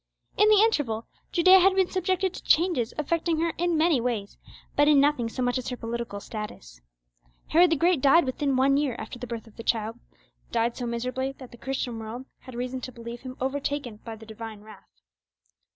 In the interval Judea had been subjected to changes affecting her in many ways, but in nothing so much as her political status. Herod the Great died within one year after the birth of the Child—died so miserably that the Christian world had reason to believe him overtaken by the Divine wrath.